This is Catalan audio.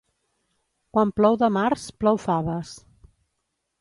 Quan plou de març, plou faves.